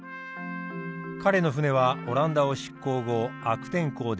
彼の船はオランダを出航後悪天候で難破。